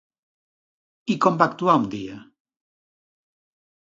I com va actuar un dia?